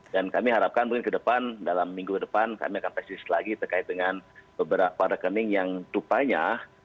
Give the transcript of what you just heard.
dan kami harapkan mungkin ke depan dalam minggu ke depan kami akan pesis lagi terkait dengan beberapa rekening yang tupanya